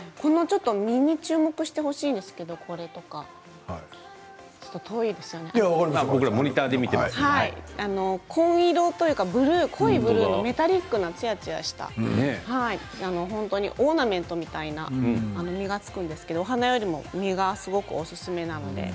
実に注目してほしいんですけど紺色というか濃いブルーのメタリックのつやつやした本当にオーナメントのような実がつくんですけどお花よりも実がすごくおすすめです。